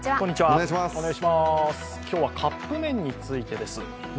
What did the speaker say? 今日はカップ麺についてです。